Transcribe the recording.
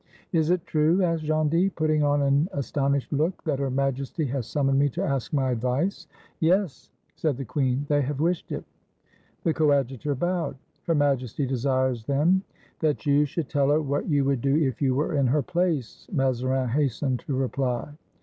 "Is it true," asked Gondy, putting on an astonished look, "that Her Majesty has summoned me to ask my advice?" "Yes," said the queen. "They have wished it." The Coadjutor bowed. "Her Majesty desires, then, —" "That you should tell her what you would do if you were in her place," Mazarin hastened to reply.